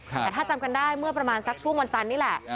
แต่ถ้าจำกันได้เมื่อประมาณสักช่วงวันจันทร์นี่แหละ